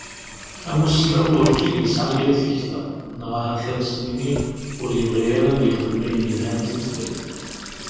Amussnaw urǧin yesƐa yir tikta, neɣ ahat ad as-nini ur yebɣi ara ad yexdem ayen yelhan i tutlayt.